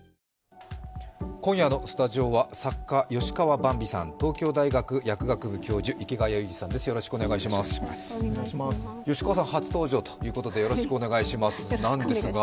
今夜のスタジオは作家、吉川ばんびさん、東京大学薬学部教授、池谷裕二さんです。